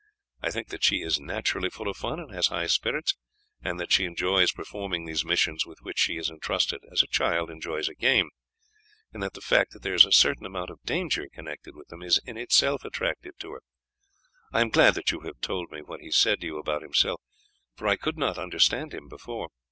I think that she is naturally full of fun and has high spirits, and that she enjoys performing these missions with which she is entrusted as a child enjoys a game, and that the fact that there is a certain amount of danger connected with them is in itself attractive to her. I am glad that you have told me what he said to you about himself, for I could not understand him before.